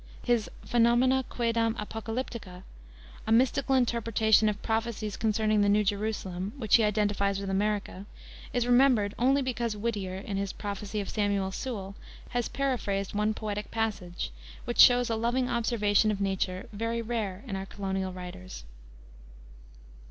His Phenomena Quaedam Apocalyptica, a mystical interpretation of prophecies concerning the New Jerusalem, which he identifies with America, is remembered only because Whittier, in his Prophecy of Samuel Sewall, has paraphrased one poetic passage, which shows a loving observation of nature very rare in our colonial writers.